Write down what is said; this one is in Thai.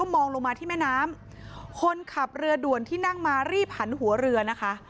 มองลงมาที่แม่น้ำคนขับเรือด่วนที่นั่งมารีบหันหัวเรือนะคะ